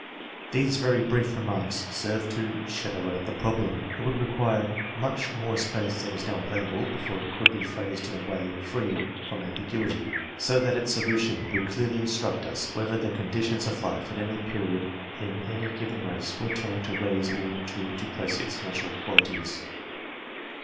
These very brief remarks serve to shadow out the prob lem; it would require much more space than is now available, before it could be phrased in a way free from ambiguity, so that its solution would clearly instruct us whether the conditions of life at any period in any given race were tending to raise or to depress its natural qualities.